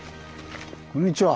こんにちは。